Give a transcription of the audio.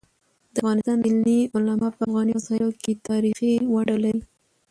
د افغانستان دیني علماء په افغاني مسايلو کيتاریخي ونډه لري.